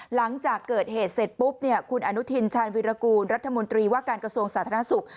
หลังจากเกิดเหตุเสร็จปุ๊บเนี่ยคุณอนุทินชาญวิรากูลรัฐมนตรีว่าการกระทรวงสาธารณสุข